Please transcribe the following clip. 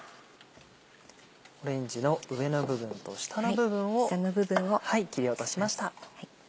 オレンジの上の部分と下の部分を切り落としました。